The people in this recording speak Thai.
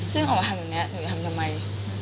ซึ่งออกมาทำแบบนี้หนูจะทำทำไม